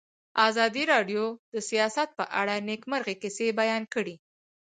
ازادي راډیو د سیاست په اړه د نېکمرغۍ کیسې بیان کړې.